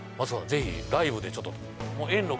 ぜひライブでちょっと遠路